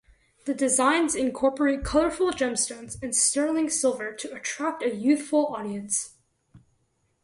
The designs incorporate colorful gemstones and sterling silver to attract a youthful audience.